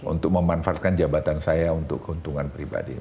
untuk memanfaatkan jabatan saya untuk keuntungan pribadi